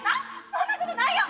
そんなことないよ！